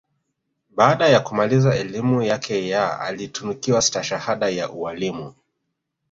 Baada ya kumaliza elimu yake ya alitunukiwa Stahahada ya Ualimu